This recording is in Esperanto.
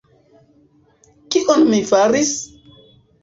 Kion mi faris?